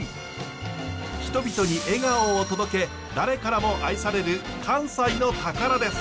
人々に笑顔を届け誰からも愛される関西の宝です。